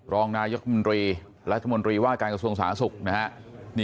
รองนายยกมุมดรีรัฐมนตรีว่าการกระทรวงสาธิกษ์ศพนะคะ